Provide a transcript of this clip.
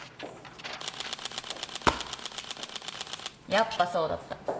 やっぱそうだった。